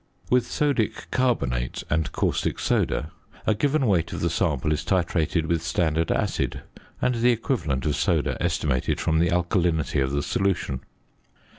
With sodic carbonate and caustic soda, a given weight of the sample is titrated with standard acid, and the equivalent of soda estimated from the alkalinity of the solution.